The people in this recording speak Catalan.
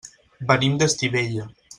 Venim d'Estivella.